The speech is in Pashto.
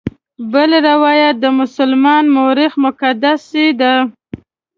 بل روایت د مسلمان مورخ مقدسي دی.